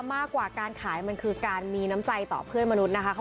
มากกว่าการขายมันคือการมีน้ำใจต่อเพื่อนมนุษย์นะคะ